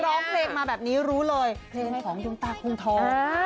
ร้องเพลงมาแบบนี้รู้เลยเพลงของดวงตาคงทอง